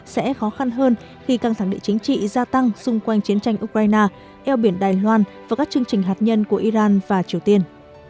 sẽ khó khăn hơn khi căng thẳng địa chính trị gia tăng xung quanh chiến tranh ukraine eo biển đài loan và các chương trình hạt nhân của iran và triều tiên